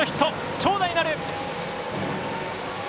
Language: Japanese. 長打になる！